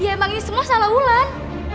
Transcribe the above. ya emang ini semua salah ulan